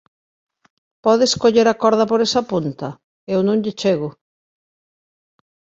Podes coller a corda por esa punta? Eu non lle chego.